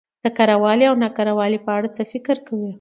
د کره والي او نا کره والي په اړه څه فکر کوؽ